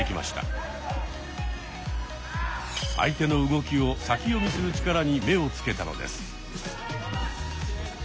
相手の動きを先読みする力に目を付けたのです。